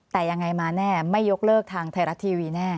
แต่ยังไงมาแน่ไม่ยกเลิกทางไทยรัฐทีวีแน่